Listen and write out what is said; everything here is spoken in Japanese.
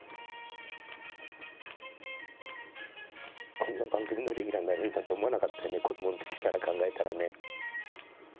こんな番組のレギュラーになれるなんて思わなかったよね、子どものときから考えたらね。